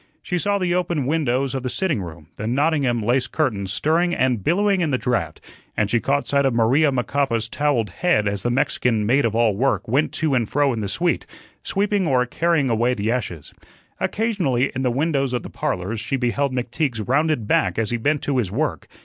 She saw the open windows of the sitting room, the Nottingham lace curtains stirring and billowing in the draft, and she caught sight of Maria Macapa's towelled head as the Mexican maid of all work went to and fro in the suite, sweeping or carrying away the ashes. Occasionally in the windows of the "Parlors" she beheld McTeague's rounded back as he bent to his work.